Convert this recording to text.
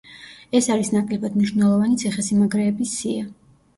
ეს არის ნაკლებად მნიშვნელოვანი ციხესიმაგრეების სია.